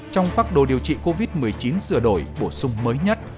trong phác đồ điều trị covid một mươi chín sửa đổi bổ sung mới nhất